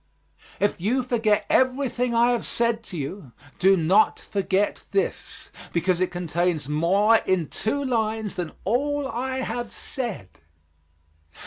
If you forget everything I have said to you, do not forget this, because it contains more in two lines than all I have said.